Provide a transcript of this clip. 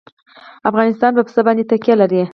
افغانستان په پسه باندې تکیه لري.